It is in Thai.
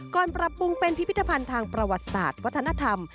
ปรับปรุงเป็นพิพิธภัณฑ์ทางประวัติศาสตร์วัฒนธรรม